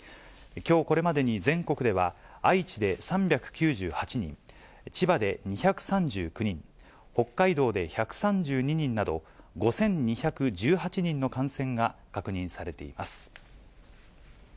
きょうこれまでに、全国では愛知で３９８人、千葉で２３９人、北海道で１３２人など、５２１８人の感染が確認されています。